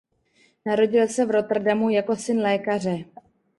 Narodil se v Rotterdamu jako syn lékaře.